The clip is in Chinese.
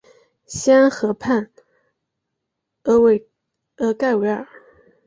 西安河畔厄盖维尔。